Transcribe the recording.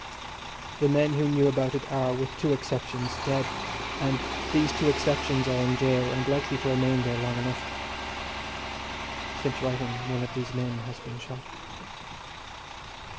The men who knew about it are, with two exceptions, dead, and these two exceptions are in gaol, and likely to remain there long enough. (Since writing one of these men has been shot.)